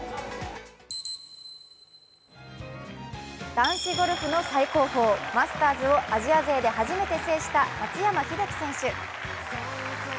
男子ゴルフの最高峰マスターズをアジア勢で初めて制した松山英樹選手。